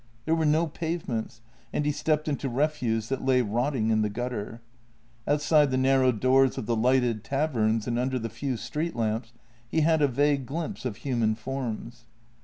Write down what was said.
There were no pavements and he stepped into re fuse that lay rotting in the gutter. Outside the narrow doors of the lighted taverns and under the few street lamps he had a vague glimpse of human forms.